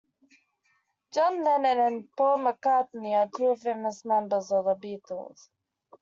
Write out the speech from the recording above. John Lennon and Paul McCartney are two famous members of the Beatles.